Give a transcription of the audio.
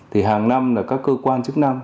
thì hàng năm là các cơ quan chức năng